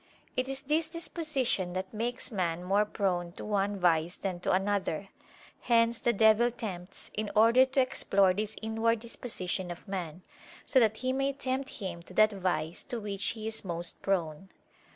It is this disposition that makes man more prone to one vice than to another: hence the devil tempts, in order to explore this inward disposition of man, so that he may tempt him to that vice to which he is most prone.